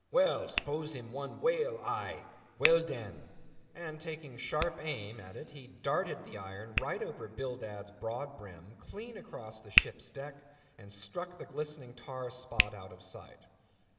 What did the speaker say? well, spose him one whale eye, well, den!" and taking sharp aim at it, he darted the iron right over old Bildad's broad brim, clean across the ship's decks, and struck the glistening tar spot out of sight.